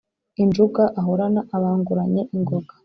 injunga ahorana abanguranye ingoga